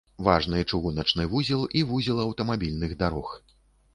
Важны чыгуначны вузел і вузел аўтамабільных дарог.